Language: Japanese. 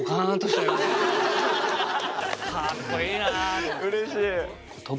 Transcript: かっこいいなと。